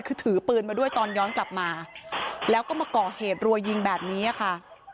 คือถือปืนมาด้วยตอนย้อนกลับมาแล้วก็มาก่อเหตุรัวยิงแบบนี้ค่ะ